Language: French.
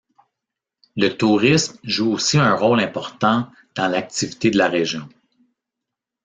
Le tourisme joue aussi un rôle important dans l'activité de la région.